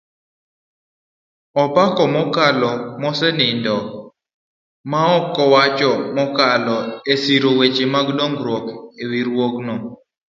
Opako mokalo mosenindo maeko kowacho mokalo esiro weche mag dongruok eriwruogno